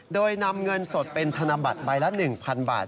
โดยนำเงินสดเป็นธนบัตรใบละ๑๐๐๐บาท